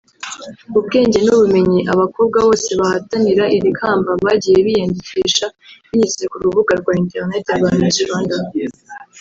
Ubwenge n’ubumenyi; abakobwa bose bahatanira iri kamba bagiye biyandikisha binyuze ku rubuga rwa Internet rwa Miss Rwanda